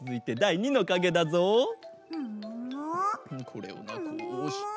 これはこうして。